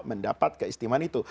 mendapat keistimewaan itu